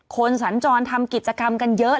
สัญจรทำกิจกรรมกันเยอะ